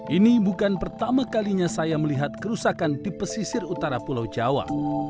ini bukan pertama kalinya saya melihat kerusakan di pesisir utara pulau jawa